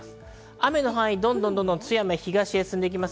雨の範囲がどんどん東に進んでいます。